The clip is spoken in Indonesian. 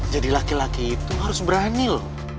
jadi laki laki itu harus berani loh